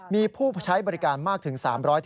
มีผู้ใช้บริการมากถึง๓๗